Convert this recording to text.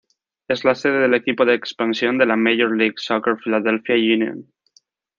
Es la sede del equipo de expansión de la Major League Soccer Philadelphia Union.